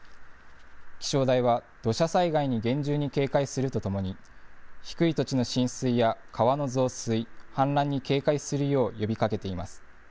気象台は、土砂災害に厳重に警戒するとともに、低い土地の浸水や川の増水、氾濫に警戒するよう呼びかけています。